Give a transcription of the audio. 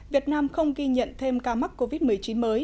việt nam không ghi nhận thêm ca mắc covid một mươi chín mới